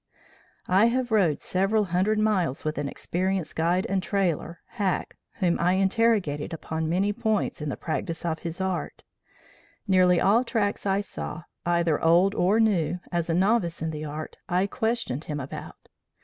"I have rode several hundred miles with an experienced guide and trailer, Hack, whom I interrogated upon many points in the practice of this art. Nearly all tracks I saw, either old or new, as a novice in the art, I questioned him about.